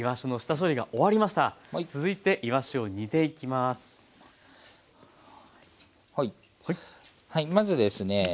まずですね